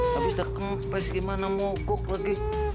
habis dah kempes gimana mogok lagi